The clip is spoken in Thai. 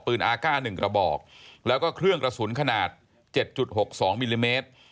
อาก้า๑กระบอกแล้วก็เครื่องกระสุนขนาด๗๖๒มิลลิเมตร